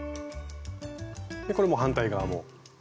これもう反対側も。